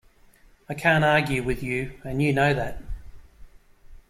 I can't argue with you, and you know that.